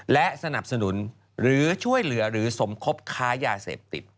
และสนับสนุนหรือช่วยเหลือหรือสมคบค้ายาเสพติด